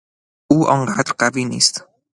او آنقدر قوی نیست.